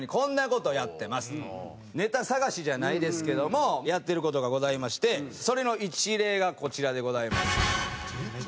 ネタ探しじゃないですけどもやってる事がございましてそれの一例がこちらでございます。